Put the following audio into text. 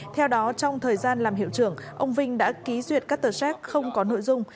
theo đó trong thời gian làm hiệu trưởng ông vinh đã ký duyệt các tờ xác không có nội dung